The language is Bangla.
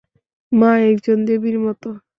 মা একজন দেবীর মতো।